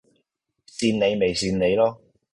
跣你咪跣你囉